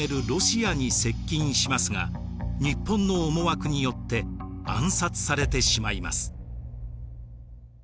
ロシアに接近しますが日本の思惑によって暗殺されてしまいます。